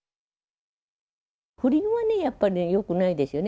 不倫はね、やっぱね、よくないですよね。